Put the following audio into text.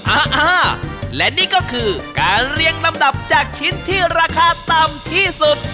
อ่าอ่าและนี่ก็คือการเรียงลำดับจากชิ้นที่ราคาต่ำที่สุด